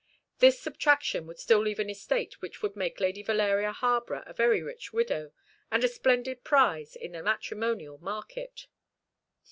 This subtraction would still leave an estate which would make Lady Valeria Harborough a very rich widow, and a splendid prize in the matrimonial market.